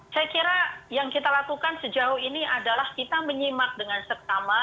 saya kira yang kita lakukan sejauh ini adalah kita menyimak dengan sektama